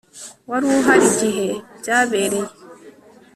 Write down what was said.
Wari uhari igihe byabereye